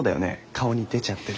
顔に出ちゃってる。